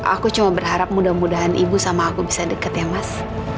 aku cuma berharap mudah mudahan ibu sama aku bisa deket ya mas